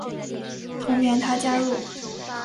同年他加入意甲的乌迪内斯。